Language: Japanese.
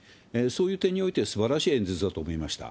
そういう点においてすばらしい演説だと思いました。